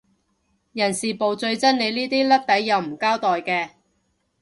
人事部最憎你呢啲甩底又唔交代嘅